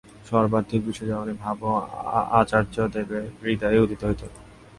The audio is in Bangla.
সর্ববিধ বিশ্বজননী ভাবও আচার্যদেবের হৃদয়ে উদিত হইত।